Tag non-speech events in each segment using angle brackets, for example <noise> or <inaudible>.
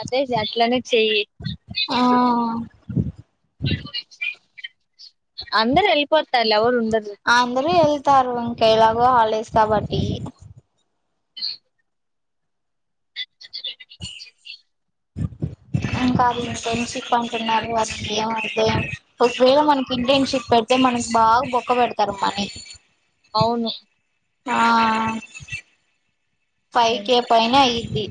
అద్ ఆదిజ్ అట్లనే చెయ్య ఆ అందరు వెళ్ళిపోతారు లే ఎవరు ఉండరు తారు ఇంకా ఎలాగో హాలిడేస్ కాబట్టి ఇంకా అది ఇంటన్ షిప్ అంటున్నారు అసలు ఎం అయ్యిందో ఏమో ఒకవేళ మనకి ఇంటన్ షిప్ పెడితే మనకి బాగా బొక్క వెడుతారు మనీ అవును ఆ ఫైవ్ కే పైనే అయ్యింది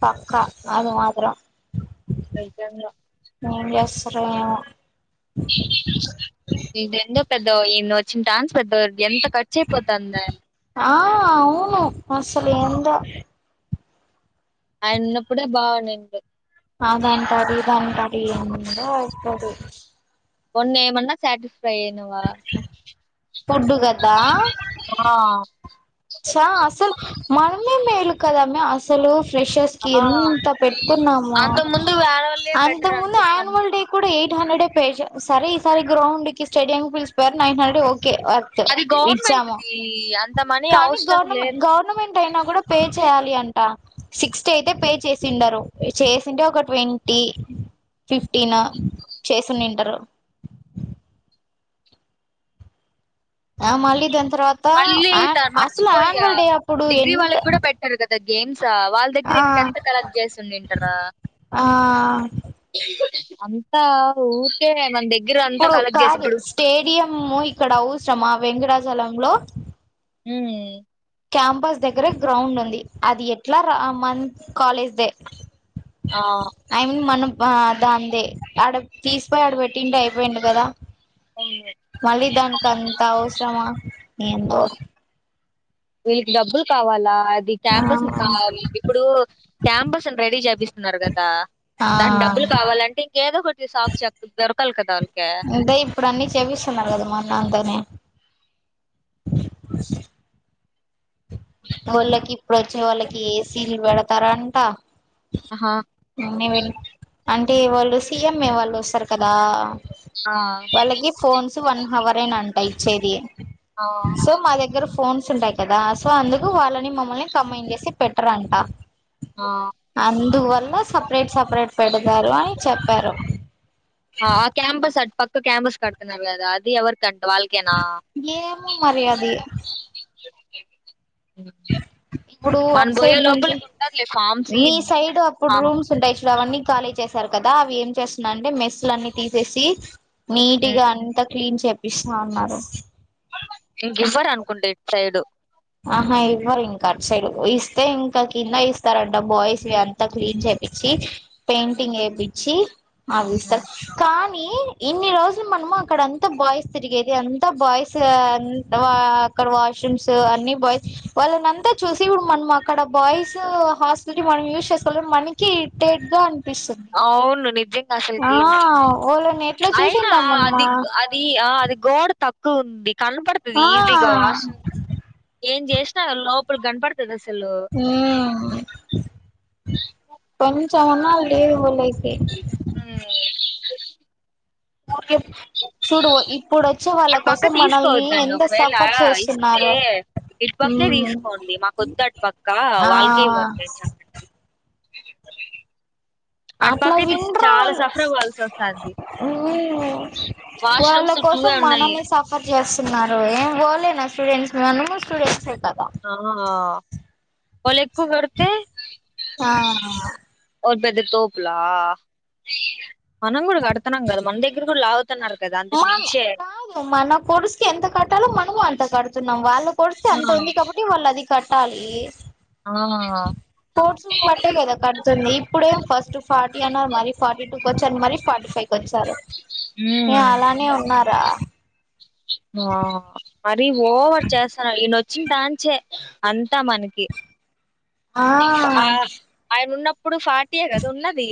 హా క అన్ని మాత్రం ఐపోయింద్రా ఏం జెస్తుండ్రో యవో ఇదేందో పెద్దగా ఏందో వచ్చిన్టాన్స్ పెద్దగా ఎంత కర్చాయ్పోతాందే ఆ అవును అసలు ఏందో ఆయనున్నప్పుడే బానున్నింది అదంటారు ఇదంటారు ఏందో ఒక్కరు మొన్న ఏమన్నా సాటిస్ అయ్న్నవా ఫుడ్డు ఆ ఛా అసల్ మన్ <unintelligible> మేలు కదా మే అసలు ఫ్రెషర్స్ కి ఆ ఎంత పెట్టుకున్నాము అంత ముందు వేరేవాళ్ళే బెటర్ అంతకు ముందు అనిపిస్తుంది ఆన్యువల్ డే కూడా ఎయిట్ హండ్రెడ్ యే పే జే సరే ఈసారి గ్రౌండ్ కి స్టేడియంకిి పిల్చూక్పోయారు నైన్ హండ్రెడ్ ఓక్ అది గవర్నమెంట్ది అంత మంన్ కానీ గవర్నమెం గవర్నమెంట్ అయినా కూడా పే చేయ్ చేయాలి అంట సిక్స్టి అయితే పే చేసిండరు చేసింటే ఒక ట్వంటీ ఫిఫ్టీన్నో చేసినుంటారు ఆ మళ్ళీ దాని తర్వాత మళ్ళీ ఆ త- అసలు మర్చిపోయా ఆన్యువల్ డే అప్పుడు ఎంత ఆ గేమ్స్ ఛ వాళ్ళదేగిర ఆ ఇంకెంత కలెక్ట్ జేస్నునింటారా ఆ అంత ఊర్కే ఇప్పుడు కాదు స్టేడియంము ఇక్కడ అవ్సరమా వెంకటచలంలో హ్మ్ క్యాంపస్ దగ్గర గ్రౌండ్ ఉంది అది ఎట్లా రా ఆ మంత్ కాలేజ్దే ఆ ఐ మీన్ మనం ఆ దాందే ఆడ తీస్పోయి ఆడబెట్టింటే అయ్పోయిండు కదా మళ్ళీ దానికి అంత అవసరమా ఏందో వీళ్లికి డబ్బులు కావాలా అది ఆ క్యాంపస్ది కాదు ఇప్పుడు క్యాంబస్ రెడీ చేపిస్త ఉన్నార్ గద్ దా ఆ దానిక్ డబ్బులు కావాలంటే ఇంకేదో ఒకటి సాక్ష్ చెప్ దొర్ కల్ కాద ఓల్ అదే ఇప్పుడు అన్నీ చేపిస్తున్నారు కదా మొన్న అంద ఆ పోల్ కి పొ వచ్చే వాళ్ళకి ఏసీలు పెడతారా అంట ఆహా, న అం అంటే వాళ్ళు సీఎంఏ వాళ్ళు వస్తారు కదా ఆ వాళ్ళకి ఫోన్స్ వన్ హవర్ నే అంట ఇచ్చేది ఆ సో మా దగ్గర ఫోన్స్ ఉంటాయి కదా సో అందుకు వాళ్ళని మమ్మల్ని కమ్మైంట్ చేసి పెట్టర్ అంట ఆ అందువల్ల సపరేట్ సపరేట్ పెడతారు అని చెప్పారు అ క్యాంపస్ అట్ క్యాంపస్ కడుతున్నారు కదా అది ఎవర్ ఎమో మరి అది ఇప్పుడు మన అటు పోయే సైడ్ నుంచి లోపలికి ఉంటారులే ఫామ్స్ ఫామ్ ఇప్పుడు అవన్నీ ఖాళీ చేసారు కదా, అవి ఏం చేస్తున్నా అంటే మెస్లు అన్ని తీసేసి నీటిగా అంతా క్లీన్ చె ఇషా ఉన్నారు ఇంక ఇవ్వరు అనుకుంట ఇటు సైడు ఆహా ఇవ్వరు ఇంకా అటు సైడు, ఇస్తే ఇంకా కింద ఇస్తారంట బాయ్స్ ఇ అంతా క్లీన్ చేపించి పెయింటింగ్ వేపిచ్చి అదిస్త కా ఇన్ని రోజులు మనము అక్కడంతా బాయ్స్ తిరిగేది అంతా బాయ్స్ ఆ అ అక్కడ వాష్రూమ్స్ అ బాయ్స్, వాళ్ళనింతా చూసి ఇప్పుడు మనం అక్కడ బాయ్స్ హాస్టల్ మనం యూజ్ చేసుకోవాలి మనకి టేట్ గా అనిపిస్తుంది అవును నిజంగా ఆ అసలకి వాళ్ళని ఎట్లా అయినా చూసింటాం మనమా అది అది అది గోడ తక్కువ కొంది కనబడతది ఆ ఈజీగా వా ఎం చే లోపు గన్ ద సల్ ప <unintelligible> లేదు పోలె మ్మ్ సూడువ ఇప్ అటు పక్క తీసుకోవద్దండి ఒకవేళ సఫర్ ఇస్తే చేస్తున్నారు ఇటుపక్కే మ్మ్ తీసుకోండి మాక వద్దు అటు పక్క ఆ వాళ్ళకిే ఇవ్వండి అని చెప్పండి అటు అట్లా పక్కే తీసి విన్ర్రు చాలా సఫర్ అవ్వాల్సి వస్తుంది వాళ్ళ వాష్రూమ్స్ టూ కోసం ఏ ఉన్నాయి మనమే సఫర్ చేస్తున్నారు ఏం ఓలేనా స్టూడెంట్స్ మనము స్టూడెంట్స్ ఎ ఆ వాళ్ళ ఎక్కువ్ కడితే ఆ <unintelligible> తోపులా మనం కూడా కడుతునాంగదా మన దగ్గర కూడా లా మ మన కోడుసుకి ఎంత కట్టాలో మనము అంత కడుత నం వాళ్ళు కొడిస్తే అంత ఆ ఉంది కాబట్టి వాళ్ళు అది కట్టాలి ఆ స్పోర్ట్స్ ను బట్టే కదా కడుతుంది ఇప్పుడే ఫస్ట్ ఫార్టీ అన్నారు మరి ఫార్టీ టు వచ్చని మరి ఫార్టీ ఫై కి వచ్చారు ఉం ఏ అలానే ఉన్నారా అ మరి ఓవర్ చేస్తా ఇయనో చ్చి డాంచే అంతా మనకి ఆ ఆ అయన ఉన్న ఇప్పుడు ఫాటియే కదా ఉన్నది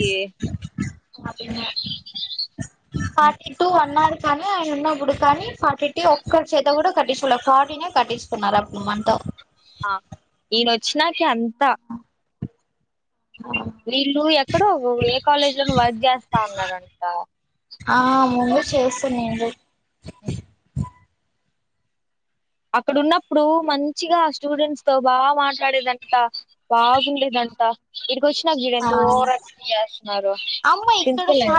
ఫార్టీ టూ అన్నారు కానీ ఆయన ఉన్నప్పుడు కానీ ఫా కటి ఒక్కర్ చేత కూడా కట్టించుకోలా కాటిన్ ఎ కట్టిచుకున్నారు అప్పుడు మంతో ఆ ఈయనొచ్చినాకే అంత వీళ్ళు ఎక్కడో ఏ కాలేజ్ లో వర్క్ చేస్తా ఉన్నరంట ఆ ముందు చేస్తున్నిండ్రి అక్కడ ఉన్నప్పుడు మంచిగా స్టూడెంట్స్ తో బాగా మాట్లాడేదంట బాగుండేదంట ఇడికి వచ్చి ఆ గిడెంటి ఓవర్ యాక్టింగ్ చేస్తున్నారు ప్రిన్సిపల్ ఎ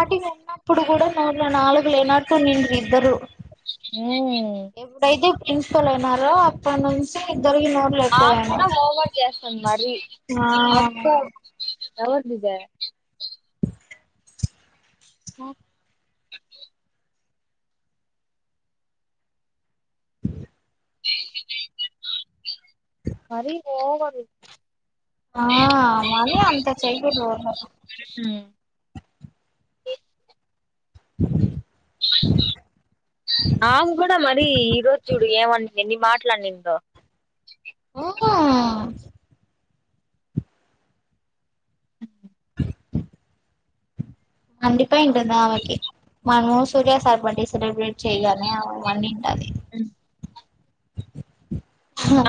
ఇప్పుడు కూడా అ నాలుగు లే నాట్ కన్ నిన్నుద్దరు ఉం ప్రిన్సిపల్ అయినార అప్పటి నుంచి ఇద్దరికి నోట్లు ఆమె కూడా ఎక్కువయినాయి ఓవర్ చేస్తుంది మరి అక్క ఎవర్దిబె మ అ <inaudible> మరి పో <inaudible> ఆ మరి అంత చెయకూడదు ఊర్లో ఆమె కూడా మరి ఈరోజు చూడు ఏమం ఎన్ని మాట్లు అనిందో. ఊ అ అండి. <inaudible> ఉంటుందా ఆమెకి మనమో స్తుగా <inaudible> సెలబ్రేట్ చేయగానే ఆమెకి మండింది.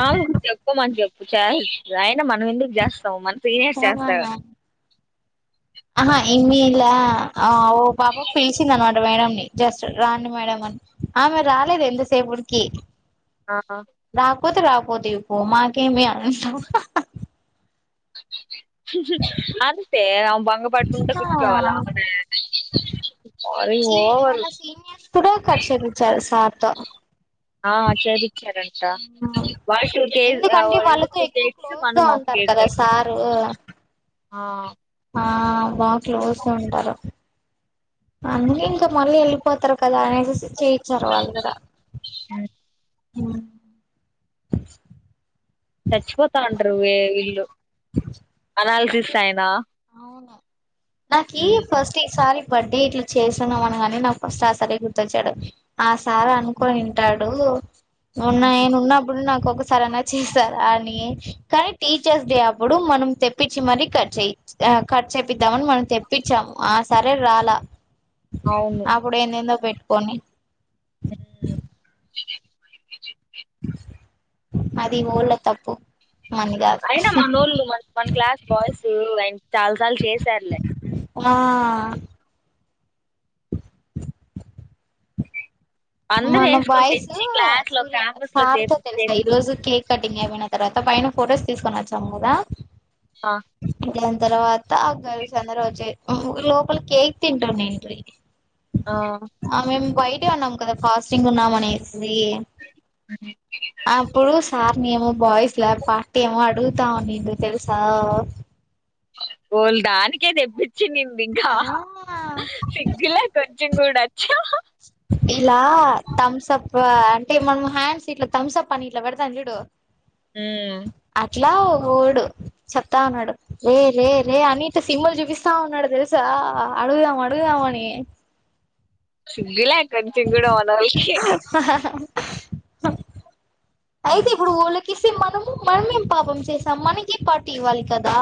ఆమెకు చెప్ప మని చెప్పు. చాయి రై అయినా మనం ఎందుకు చేస్తాము. మన సీనియర్స్ చేస్తారు. ఆహా ఎమీలా ఆ ఓ పాపా పిలిచింది అనమాట మేడంని. జస్ట్ రాండి మేడం అని. ఆమె రాలేదు ఎంతసేపటికి. ఆ కొతే రాకపోతీవి పో మాకేమీ అ <inaudible> అంతే ఆమె బంగ పడుకుంటా కూర్చుకోవాలా ఆమెని. మరి సి మన ఓవరు సీనియర్స్ కూడా కట్ చేపించారు సార్ తో ఆ చెర్రి చారంట వాడికి ఒ కే ఎందుకంటే రెండు వాళ్ళతో టు ఎక్కువ కేక్స్ క్లోజ్ గా మనము ఒక ఉంటారు కేక్. కదా సారు ఆ ఆ బా క్లోజ్ గా ఉంటారు. అందుకే ఇంకా మళ్ళీ వెళ్ళిపోతారు కదా అనేసిసి చేయిచ్చారు వాళ్ళు కూడా. ఉమ్ అ చచ్చిపోతాం అ ంటూరు విల్లు. అనాలిసిస్ ఆయనా. అవును. నా కీ ఫస్ట్ ఈ సారీ బట్టి లైఫ్ఇట్లా చేస్తున్నామని కాని నాకు ఫస్ట్ ఆ సారి గుర్తొచ్చాడు ఆ సార్ అనుకునింటాడు ఉన్నా ఉమ్, నేను ఉన్నా అప్పుడు నాకు ఒక సరేనా చేస్తారు అని కానీ టీచర్స్ డే అప్పుడు మనం తెప్పించి మరీ కట్ చేయ ఆ కట్ చేపిద్దామని మనం తెప్పించాము ఆ సారే రాలా అవును ఆప్పుడు ఏందేందో పెట్టుకోని ఉమ్, అది వోళ్ల తప్పు మనది కాదు అయినా మనోళ్ళు మన్ క్లాస్ బాయ్స్ ఆయన చాలాసార్లు చేసారులే ఆ అందరు మన వేసుకొని బాయస్ తెచ్చి క్లాస్ లో సూర్య క్యాంపస్ లో సార్ తో చేపి తెలుసా చేపి ఈ రోజు కేక్ కటింగ్ అయిపోయిన తర్వాత పైన ఫొటోస్ తీసుకొ వచ్చాం కదా ఆ ఇంగా తర్వాత ఆ గర్ల్స్ అందరూ వచ్చి లోపల కేక్ తింటా నేన్ పోయ్ ఆ, ఆ మేమ్ వైట్ టి అన్నాం కద ఫాస్టింగ్ ఉన్నామనేస్ ది అప్పుడు సార్ని ఏమో బాయ్స్ లా పార్టీ అడుగుతా ఉన్నింది తెలుసా వోల్ దానికే తెప్పి చ్చ నింది ఇంగా ఆ సిగ్గులా కొంచెం కూడా చుహ ఇలా థమ్స అప్ అంటే మనం హ్యాండ్స్ ఇట్లా థమ్స అప్ అని ఇట్లా పెడతాం చూడు హుమ్ ఇట్లా ఓ గోడు చెప్తా ఉన్నాడు రే రే రే అని ఇట్టా సిమ్మలు చూపిస్తా ఉన్నాడు తెలుసా అడుగుదాం అడుగుదామని సిగ్గు లే కొంచెం కూడా మనోల్లోకి అయితే ఇప్పుడు ఊళ్లకి కిసి మనము మనమేం పాపం చేసాం మనకే పార్టీ ఇవ్వాలి కదా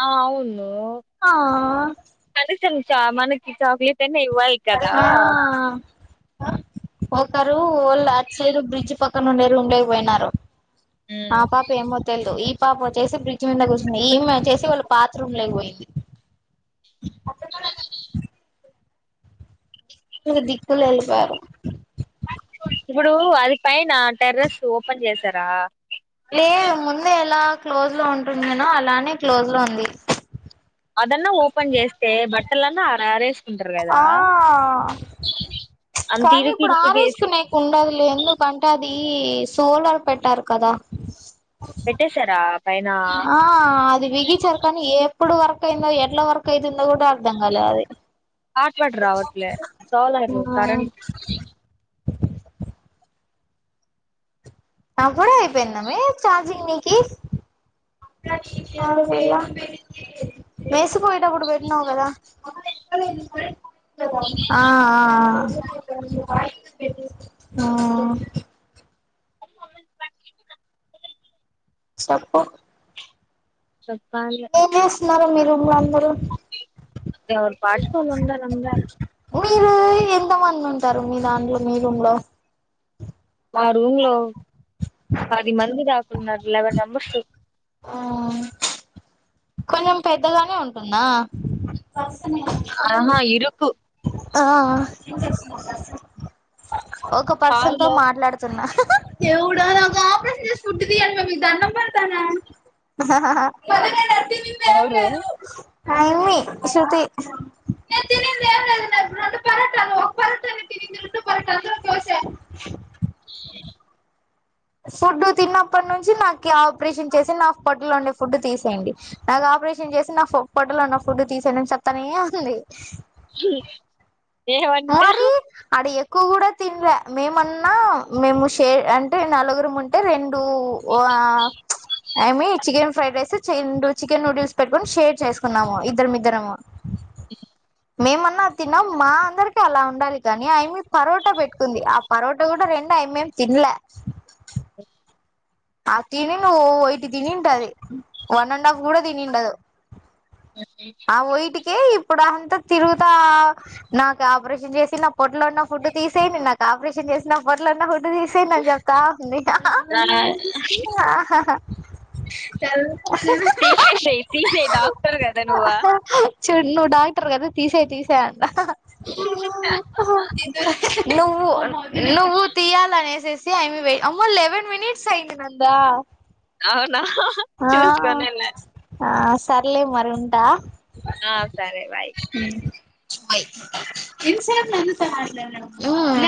ఆ అవును ఆ హలో చా మనకి చాక్లేట్ చెన్నైయ్ వై కదా ఆ ఒకరు వొళ్ళు అట్ సైడ్ బ్రిడ్జ్ పక్కన ఉండే రూమ్ లోకి పోయినారు ఉమ్. ఆ పాప ఏమో తెల్దు ఈ పాప వొచ్చేసి బ్రిడ్జి మింద కూర్చుంది ఈ ఇమ్మి వొచ్చేసి వాళ్ళ బత్రూమ్ లోకిపోయింది టూ దిక్కోలో ఎల్లిపోయారు ఇప్పుడు అది పైన టెర్రస్ ఓపెన్ చేసారా లేదు ముందే ఎలా క్లోజ్ లో ఉంటుందేనో అలానే క్లోజ్ లో ఉంది అదన్నా ఓపెన్ చేస్తే బట్టలన్నా ఆరా అరెస్ ఆ అంత కానీ ఇరుకు ఇప్పుడు ఇరుకు చేసి ఆరేసుకునేకు ఉండదులే ఎందు కంటే అది సోలర్ పెట్టారు కదా పెట్టేసారా ఆ అది బిగించారు కానీ ఎప్పుడు వరకు వర్క్ అయిందో ఎట్లా వర్క్ అయితుందో కూడా అర్ధం కాల అది హట్ వాటర్ రావట్లే సోలర్ కరెంట్ అప్పుడే అయిపోయిందమే చార్జింగ్ నీకి వేసిపోయేటప్పుడు పెట్టినావు కదా సప్పు చెప్పాలిగా న్నారు మీరు మీ అందరు ఎవరి పాట్కో వాళ్లు ఉండారు అందరు మీరు ఎంత మంది ఉంటారు మీ దాంలో మీరుంలో ఆ రూమ్ లో పది మంది దాక్ ఉన్నరు లెవెన్ నంబర్సు ఆ కొంచెం పెద్దగానే ఉంటుందా ఆహా ఇరుకు ఆ హ ఒక పర్సన్ తో హాల్లో మాట్లాడుతున్నా హ దేవుడా ఆపరేషన్ జేసీ ఫుడ్డు దీయాలమి మీకు దండం పెడతాన <unintelligible> ఎవరు అమీ శృతి నేను తినింది ఏం లేదు నే రొండు పరటలు ఒక పరటని తింనింది రెండు పరట అందులోకి తోస చెఫ్ <unintelligible> ఫుడ్ తిన్నప్పటి నుంచి నాక్ల ఆపరేషన్ చేసి నా పొట్టలో ఉండే ఫుడ్ తీసేయండి నాకు ఆపరేషన్ చేసి నా ఫో పొట్టలో ఉన్న ఫుడ్ తీసేయండి అని చెప్తనే ఉంది జి హ్ <unintelligible> ఏవంటా హా క్కు కూడా తిన్లే మేమన్నా మేము షే అ అంటే నలుగురం ఉంటే రెండ్ డు ఓ అ ప్చ్ అమి చికెన్ ఫ్రైడ్ రైస్ చిన్డ్ చికెన్ నూడిల్స్ పెటు కొని షేర్ చేసుకున్నాము ఇద్దరం ఇద్దరము ఉ ఇ మేమన్నా తిన్నాం మా అందరికి అలా ఉండాలి కానీ అయిమ్మి పరోట పెట్టుకుంది ఆ పరోట కూడా రెండు ఆయమ్మేం తిన్లే ఆ తిని నువ్వు ఇటు తిని ఉంటది వన్ అండ్ హాఫ్ కూడా తిని ఉండదు ఆ వయిటుకి ఇప్ ఇప్పుడు అంతా తిరుగుతా నాకు ఆపరేషన్ చేసి నా పొట్లో ఉన్న ఫుడ్ తీసేయండి నాకు ఆపరేషన్ చేసి నా పొట్లో ఉన్న ఫుడ్ తీసేయండి అని చెప్తా ఉంది హా హా హాహా క వు తీసేసెయ్ తీసేయ్ డాక్టర్ కదా నువ్వు ఆ చుడ్ నువ్వు డాక్టర్ కదా తీసేయి తీసేయ్ ఆన్ మ్ము్ మ్మ్ హా ఆ నువ్వు నువ్వు తీయాలనేసెసి ఆమె వె ఆమ్మో లెవెన్ మినిట్స్ అయింది అందా అవునా చూసుకోనే లే ఆ సర్లే మరి ఉంటా ఆ సరే బాయ్ హయ్ ఇన్ సార్ నన్ను తయ న న ము